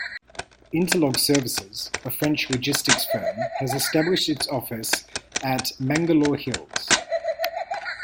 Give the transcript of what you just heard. Interlog Services, a French logistics firm has established its office at Mangalore Hills.